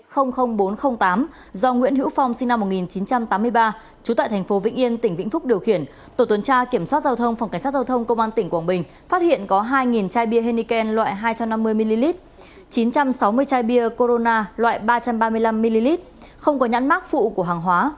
do nguyễn hữu phong sinh năm một nghìn chín trăm tám mươi ba trú tại thành phố vĩnh yên tỉnh vĩnh phúc điều khiển tổ tuần tra kiểm soát giao thông phòng cảnh sát giao thông công an tỉnh quảng bình phát hiện có hai chai bia henneken loại hai trăm năm mươi ml chín trăm sáu mươi chai bia corona loại ba trăm ba mươi năm ml không có nhãn mát phụ của hàng hóa